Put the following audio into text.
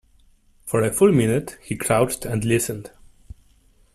For a full minute he crouched and listened.